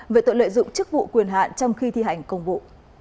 về tội lợi dụng chức vụ quyền hạn trong khi thi hành công vụ